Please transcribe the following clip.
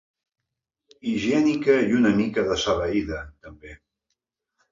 Higiènica i una mica dessabeïda, també.